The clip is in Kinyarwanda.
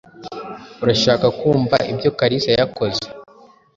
Urashaka kumva ibyo Kalisa yakoze?